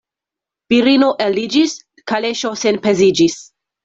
Virino eliĝis, kaleŝo senpeziĝis.